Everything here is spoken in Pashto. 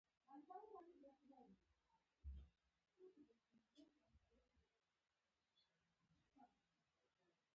خو چې موږ ته یې څه ګټه رسېدای شي